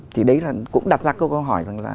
thì đấy là cũng đặt ra câu hỏi rằng là